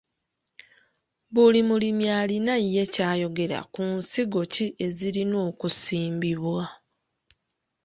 Buli mulimi alina ye ky'ayogera ku nsigo ki ezirina okusimbibwa.